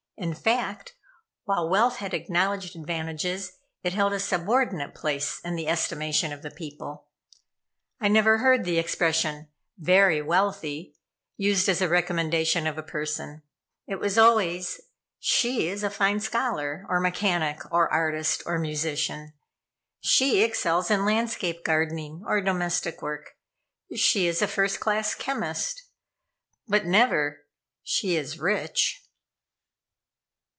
In fact, while wealth had acknowledged advantages, it held a subordinate place in the estimation of the people. I never heard the expression "very wealthy," used as a recommendation of a person. It was always: "She is a fine scholar, or mechanic, or artist, or musician. She excels in landscape gardening, or domestic work. She is a first class chemist." But never "She is rich."